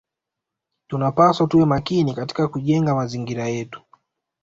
Tunapaswa tuwe makini katika kujenga mazingira yetu